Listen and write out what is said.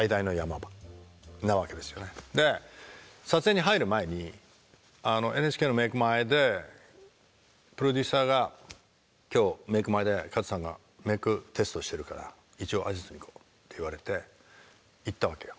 で撮影に入る前にＮＨＫのメイク前でプロデューサーが「今日メイク前で勝さんがメイクテストをしてるから一応挨拶に行こう」って言われて行ったわけよ。